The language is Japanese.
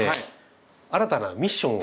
新たなミッションを。